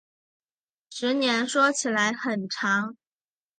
十年说起来很长